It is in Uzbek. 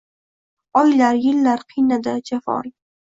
Oylar, yillar qiynadi jafong